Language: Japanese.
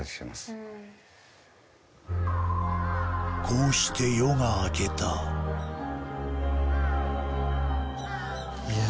こうして夜が明けたいや